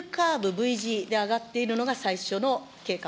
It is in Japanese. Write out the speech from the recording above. Ｖ字で上がっているのが最初の計画。